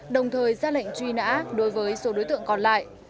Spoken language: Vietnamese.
đồng thời ra lệnh truy nã đối với số đối tượng còn lại